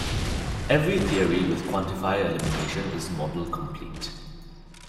Every theory with quantifier elimination is model complete.